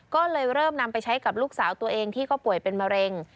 ก็เลยเริ่มนำไปใช้กับลูกสาวตัวเองที่ก็ป่วยเป็นมะเร็ง